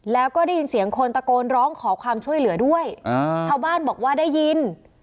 แล้วก็ได้ยินเสียงคนตะโกนร้องขอความช่วยเหลือด้วยอ่าชาวบ้านบอกว่าได้ยิน